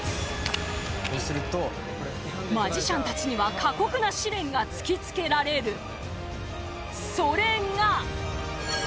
マジシャンたちには過酷な試練が突きつけられる。